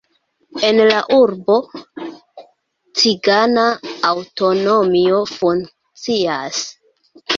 En la urbo cigana aŭtonomio funkcias.